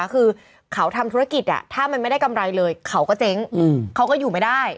คือเขาทำธุรกิจถ้ามันไม่ได้กำไรเลยเขาก็เจ๊งเขาก็อยู่ไม่ได้